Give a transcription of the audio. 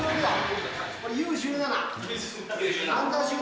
Ｕ―１７。